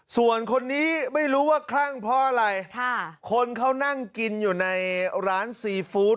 ส่วนคนนี้ไม่รู้ว่าคลั่งเพราะอะไรคนเขานั่งกินอยู่ในร้านซีฟู้ด